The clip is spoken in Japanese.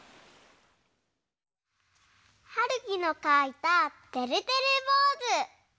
はるきのかいたてるてるぼうず。